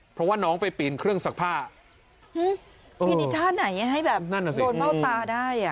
เพราะว่าน้องไปปีนเครื่องซักผ้าปีท่าไหนให้แบบโดนเบ้าตาได้อ่ะ